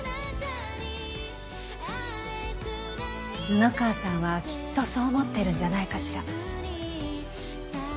布川さんはきっとそう思ってるんじゃないかしら。